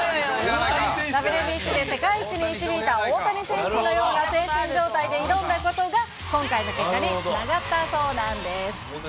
ＷＢＣで世界一に導いた大谷選手のような精神状態で挑んだことが、今回の結果につながったそうなんです。